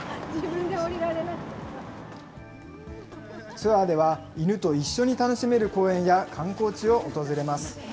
ツアーでは、犬と一緒に楽しめる公園や観光地を訪れます。